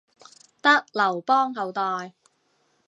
得劉邦後代